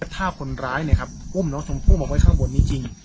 ถ้าคนร้ายเนี่ยครับอ้มน้องชมพู่มาไว้ข้างบนจริง